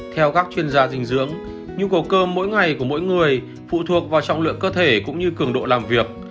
theo các chuyên gia dinh dưỡng nhu cầu cơm mỗi ngày của mỗi người phụ thuộc vào trọng lượng cơ thể cũng như cường độ làm việc